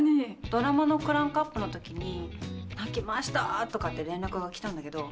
ドラマのクランクアップのときに、泣きましたーとかって連絡が来たんだけど。